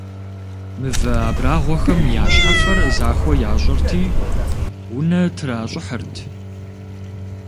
Мывэ абрагъуэхэм я щхьэфэр захуэ ящӏырти, унэ тращӏыхьырт.